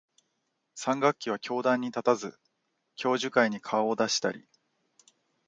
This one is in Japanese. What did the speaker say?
三学期は教壇に立たず、教授会に顔を出したり、